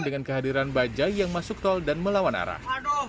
dengan kehadiran bajaj yang masuk tol dan melawan arah